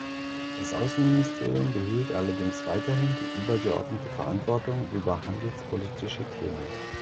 Das Außenministerium behielt allerdings weiterhin die übergeordnete Verantwortung über handelspolitische Themen.